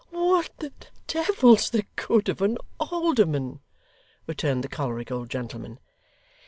'What the devil's the good of an alderman?' returned the choleric old gentleman.